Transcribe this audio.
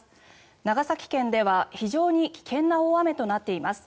長崎県では非常に危険な大雨となっています。